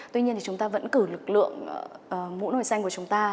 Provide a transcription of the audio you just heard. mũ nồi xanh của chúng ta